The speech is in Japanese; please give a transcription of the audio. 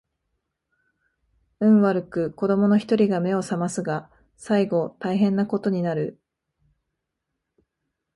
運悪く子供の一人が眼を醒ますが最後大変な事になる